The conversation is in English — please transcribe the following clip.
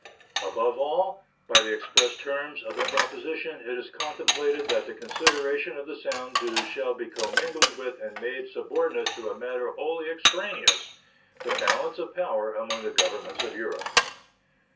Above all, by the express terms of the proposition it is contemplated that the consideration of the Sound dues shall be commingled with and made subordinate to a matter wholly extraneous the balance of power among the Governments of Europe.